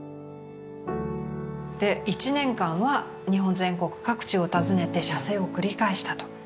で１年間は日本全国各地を訪ねて写生を繰り返したと。